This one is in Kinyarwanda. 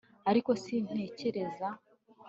ariko sintekereza